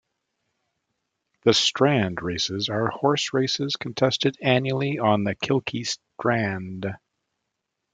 The Strand Races are horse races contested annually on the Kilkee strand.